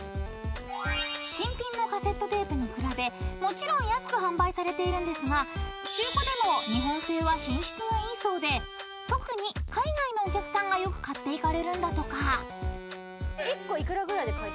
［新品のカセットテープに比べもちろん安く販売されているんですが中古でも日本製は品質がいいそうで特に海外のお客さんがよく買っていかれるんだとか］